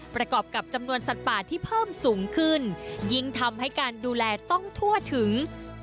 ประกอบกับจำนวนสัตว์ป่าที่เพิ่มสูงขึ้นยิ่งทำให้การดูแลต้องทั่วถึง